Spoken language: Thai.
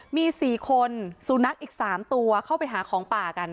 มี๔คนสุนัขอีก๓ตัวเข้าไปหาของป่ากัน